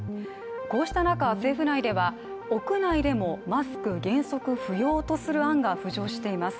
こうした中、政府内では屋内でもマスク原則不要とする案が浮上しています。